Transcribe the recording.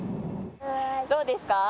どうですか？